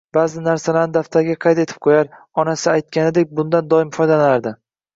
ba'zi narsalarni daftariga qayd etib qo'yar, onasi aytganiday bundan doim foydalanardi.